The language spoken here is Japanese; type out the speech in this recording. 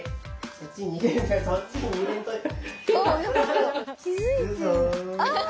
そっちに逃げんといて。